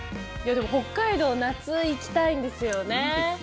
でも北海道夏、行きたいんですよね。